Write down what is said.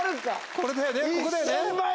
ここだよね。